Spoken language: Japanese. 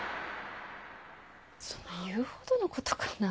そんな言うほどのことかな。